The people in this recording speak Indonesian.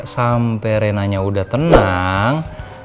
sampai renanya udah tenang